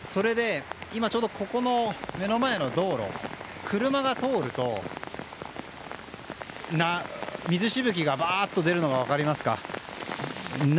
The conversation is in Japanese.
ちょうど目の前の道路ですが車が通ると水しぶきがバーって出るのが分かりますか？